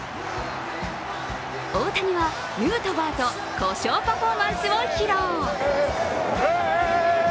大谷は、ヌートバーとコショウパフォーマンスを披露。